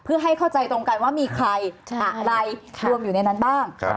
เพื่อให้เข้าใจตรงกันว่ามีใครอะไรรวมอยู่ในนั้นบ้าง